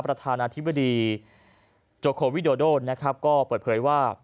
ประธานาธิบดีโจโควิโดโดนะครับก็เปิดเผยว่า